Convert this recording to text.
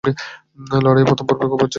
লড়াইয়ের প্রথম পর্বেই কুপার পরাজিত হন।